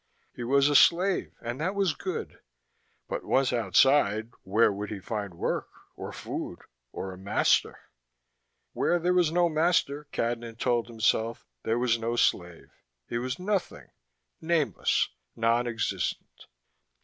He was a slave, and that was good but once outside where would he find work, or food, or a master? Where there was no master, Cadnan told himself, there was no slave: he was nothing, nameless, non existent.